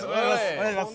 お願いします